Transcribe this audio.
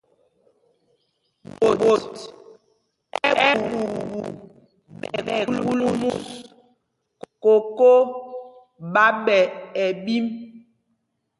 Ɓot ɛɓuuɓu ɓɛ kúl mus, kokō ɓá ɓɛ ɛɓīm.